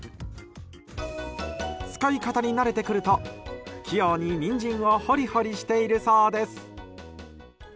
使い方に慣れてくると器用にニンジンをホリホリしているそうです。